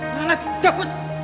nggak nggak cepet